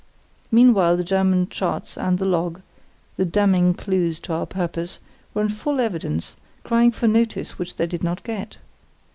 Meanwhile the German charts and the log, the damning clues to our purpose, were in full evidence, crying for notice which they did not get.